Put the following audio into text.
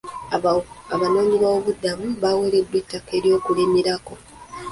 Abanooonyiboobubudamu bawereddwa ettaka ly'okulimirako.